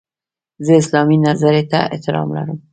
زه اسلامي نظرې ته احترام لرم.